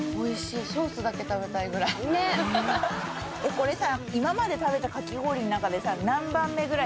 これさ。